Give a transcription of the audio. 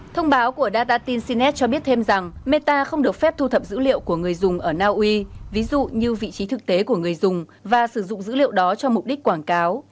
thông báo của data tinsinet cho biết thêm rằng meta không được phép thu thập dữ liệu của người dùng ở naui ví dụ như vị trí thực tế của người dùng và sử dụng dữ liệu đó cho mục đích quảng cáo